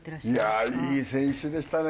いやあいい選手でしたね！